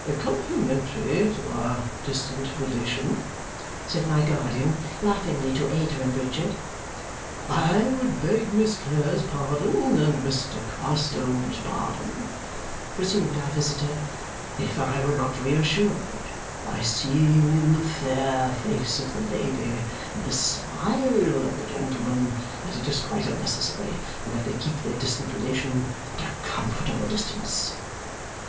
"Complimentary to our distant relation!" said my guardian laughingly to Ada and Richard. "I would beg Miss Clare's pardon and Mr. Carstone's pardon," resumed our visitor, "if I were not reassured by seeing in the fair face of the lady and the smile of the gentleman that it is quite unnecessary and that they keep their distant relation at a comfortable distance."